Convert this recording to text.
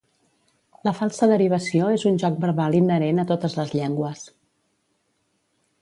La falsa derivació és un joc verbal inherent a totes les llengües.